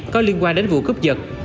có liên quan đến vụ cướp giật